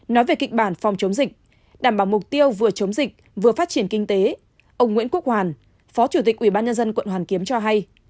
nói về kịch bản phòng chống dịch đảm bảo mục tiêu vừa chống dịch vừa phát triển kinh tế ông nguyễn quốc hoàn phó chủ tịch ubnd quận hoàn kiếm cho hay